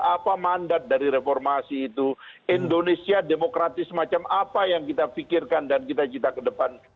apa mandat dari reformasi itu indonesia demokratis semacam apa yang kita pikirkan dan cita cita ke depan